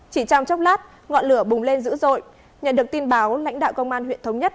chỉ trong chốc lát ngọn lửa bùng lên dữ dội nhận được tin báo lãnh đạo công an huyện thống nhất